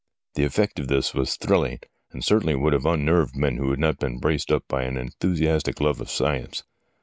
The effect of this was thrilling, and certainly would have unnerved men who had not been braced up by an enthusiastic love for science.